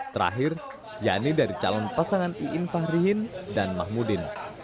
terakhir yani dari calon pasangan iin fahrihin dan mahmudin